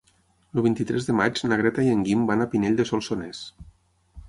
El vint-i-tres de maig na Greta i en Guim van a Pinell de Solsonès.